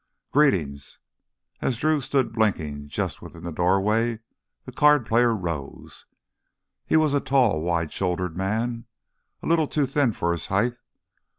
"Greetings!" As Drew stood blinking just within the doorway the card player rose. He was a tall, wide shouldered man, a little too thin for his height.